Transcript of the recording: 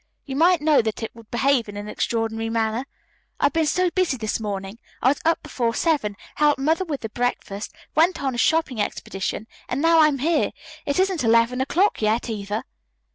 "You might know that it would behave in an extraordinary manner. I've been so busy this morning. I was up before seven, helped Mother with the breakfast, went on a shopping expedition, and now I'm here. It isn't eleven o'clock yet, either."